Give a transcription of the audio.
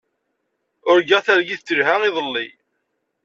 Urgaɣ targit telha iḍelli.